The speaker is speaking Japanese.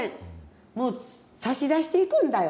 もう差し出していくんだよ。